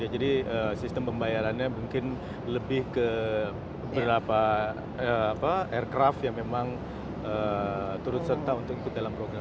jadi sistem pembayarannya mungkin lebih ke beberapa aircraft yang memang turut serta untuk ikut dalam program